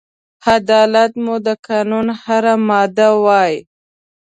عدالت مو د قانون هره ماده وای